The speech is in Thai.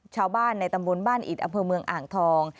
ชาวบ้านในตำบลบ้านอิดอำเภอเมืองอ่างทอง